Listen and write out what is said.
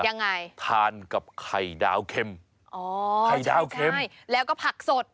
ยังไงทานกับไข่ดาวเค็มอ๋อไข่ดาวเค็มใช่แล้วก็ผักสด